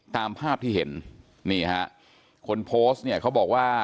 ตามภาพที่เห็นนี่ฮะคนโพสต์เนี่ยเขาบอกว่า